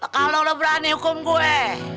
kalau udah berani hukum gue